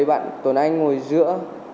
bạn tuấn anh ngồi giữa